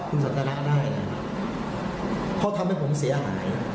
เพราะทำให้ผมเสียหาย